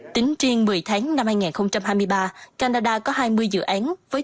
tính riêng một mươi tháng năm hai nghìn hai mươi ba canada có hai mươi dự án với tổng số vốn đầu tư là ba một triệu đô la mỹ